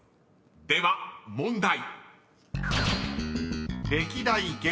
［では問題］